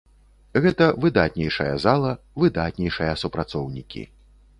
Гэта выдатнейшая зала, выдатнейшыя супрацоўнікі.